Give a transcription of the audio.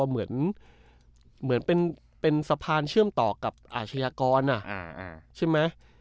เหมือนเหมือนเป็นเป็นสะพานเชื่อมต่อกับอาชญากรน่ะอ่า